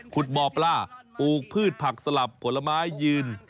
บ่อปลาปลูกพืชผักสลับผลไม้ยืน